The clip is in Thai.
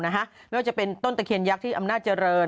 ไม่ว่าจะเป็นต้นตะเคียนยักษ์ที่อำนาจเจริญ